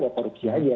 ya korupsi aja